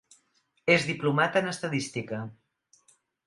És diplomat en estadística.